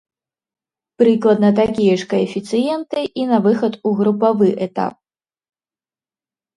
Прыкладна такія ж каэфіцыенты і на выхад у групавы этап.